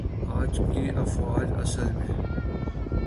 آج کی افواج اصل میں